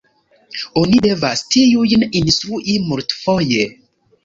Oni devas tiujn instrui multfoje.